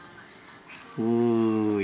おい。